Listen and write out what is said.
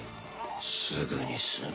すぐに済む。